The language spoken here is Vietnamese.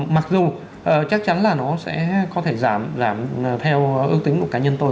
mặc dù chắc chắn là nó sẽ có thể giảm theo ước tính của cá nhân tôi